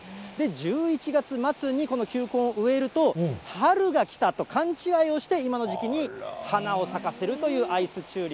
１１月末にこの球根を植えると、春が来たと勘違いをして、今の時期に花を咲かせるというアイスチ